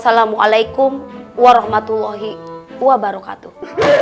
assalamualaikum warahmatullahi wabarakatuh